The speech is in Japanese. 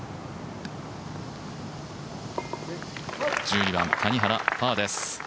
１２番、谷原、パーです。